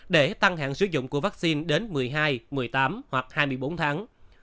để tăng hạn sử dụng của vaccine đến một mươi hai một mươi tám hoặc hai mươi bốn tháng